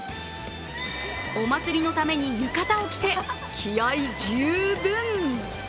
お祭りのために浴衣を着て気合い十分！